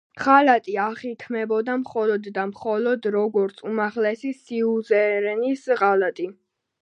ღალატი აღიქმებოდა მხოლოდ და მხოლოდ როგორც უმაღლესი სიუზერენის ღალატი.